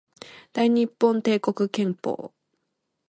大日本帝国憲法